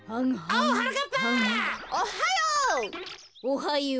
おはよう。